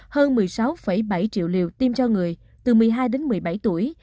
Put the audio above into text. hơn một mươi sáu bảy triệu liều tiêm cho người từ một mươi hai đến một mươi bảy tuổi